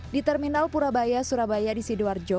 di terminal purabaya surabaya di sidoarjo